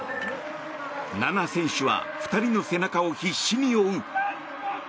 菜那選手は２人の背中を必死に追う。